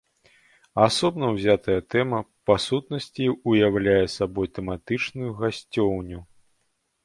Асобна ўзятая тэма, па сутнасці, уяўляе сабой тэматычную гасцёўню.